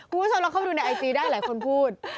คุณผู้ชมลองเข้าไปดูในไอจีได้หลายคนพูด